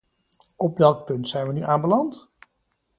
Op welk punt zijn we nu aanbeland?